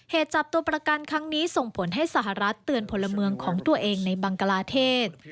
จับตัวประกันครั้งนี้ส่งผลให้สหรัฐเตือนพลเมืองของตัวเองในบังกลาเทศ